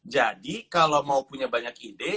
jadi kalo mau punya banyak ide